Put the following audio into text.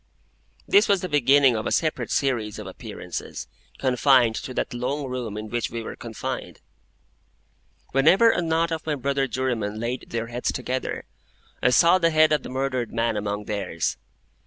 This was the beginning of a separate series of appearances, confined to that long room in which we were confined. Whenever a knot of my brother jurymen laid their heads together, I saw the head of the murdered man among theirs.